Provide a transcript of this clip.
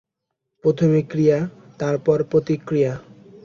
প্রথমে ক্রিয়া, তারপর প্রতিক্রিয়া।